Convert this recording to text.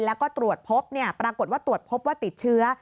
แล้วก็ตรวจพบปรากฏว่าตรวจพบว่าติดเชื้อ